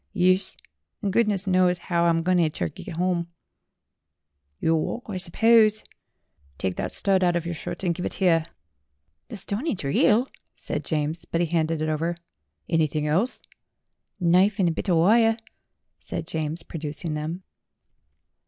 "Yuss, and goodness knows how I'm goin' ter git 'ome." "You'll walk, I suppose. Take that stud out of your shirt and give it here." 162 STORIES WITHOUT TEARS "The stone ain't real," said James, but he handed it over. "Anything else?" "Knife and a bit o' wire," said James, producing them.